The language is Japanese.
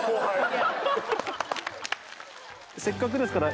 せっかくですから。